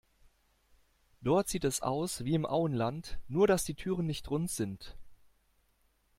Dort sieht es aus wie im Auenland, nur dass die Türen nicht rund sind.